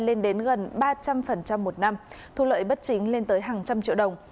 lên đến gần ba trăm linh một năm thu lợi bất chính lên tới hàng trăm triệu đồng